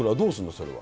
それは。